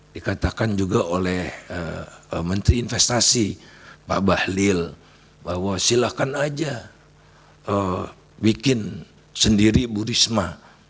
dikatakan juga oleh menteri investasi pak bahlil bahwa silakan saja bikin sendiri burisma